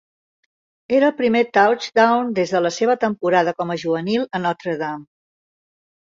Era el primer touchdown des de la seva temporada com a juvenil a Notre Dame.